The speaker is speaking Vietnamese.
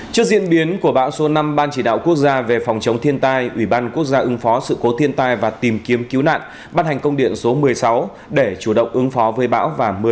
trước diễn biến của bão số năm ban chỉ đạo quốc gia về phòng chống thiên tai ủy ban quốc gia ứng phó sự cố thiên tai và tìm kiếm cứu nạn bắt hành công điện số một mươi sáu để chủ động ứng phó với bão và mưa lớn